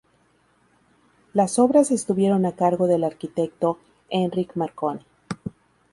Las obras estuvieron a cargo del arquitecto Henryk Marconi.